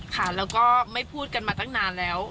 ค่ะแล้วก็ไม่พูดกันมาตั้งนานแล้ว